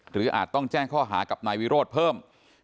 อาจต้องแจ้งข้อหากับนายวิโรธเพิ่ม